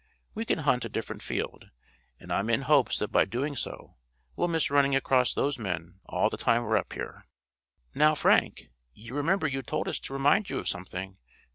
We can hunt a different field; and I'm in hopes that by doing so we'll miss running across those men all the time we're up here." "Now, Frank, you remember you told us to remind you of something?"